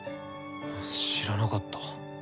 知らなかった。